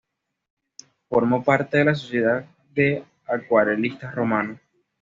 Formó parte de la Sociedad de Acuarelistas Romanos.